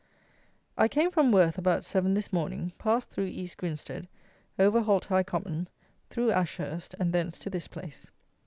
_ I came from Worth about seven this morning, passed through East Grinstead, over Holthigh Common, through Ashurst, and thence to this place.